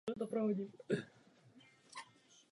Jedná se o velmi významné naleziště různých vzácných minerálů.